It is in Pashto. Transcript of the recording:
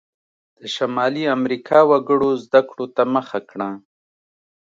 د شمالي امریکا وګړو زده کړو ته مخه کړه.